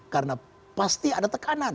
karena pasti ada tekanan